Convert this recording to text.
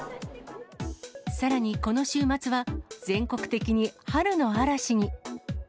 さらにこの週末は、全国的に春の嵐に。